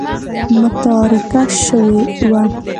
متارکه شوې وه.